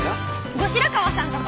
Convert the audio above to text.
後白河さんとか？